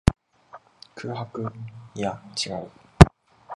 空白。いや、違う。